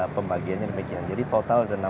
pembagiannya demikian jadi total